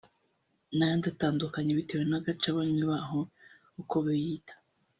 n’ayandi atandukanye bitewe n’agace abanywi baho uko biyita